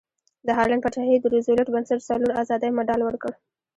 د هالنډ پادشاهي د روزولټ بنسټ څلور ازادۍ مډال ورکړ.